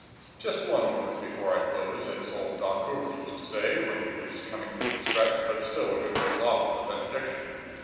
Just one word before I close, as old Doc Hoover used to say, when he was coming into the stretch, but still a good ways off from the benediction.